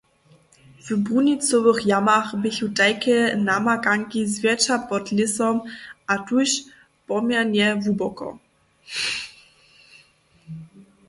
W brunicowych jamach běchu tajke namakanki zwjetša pod lěsom a tuž poměrnje hłuboko.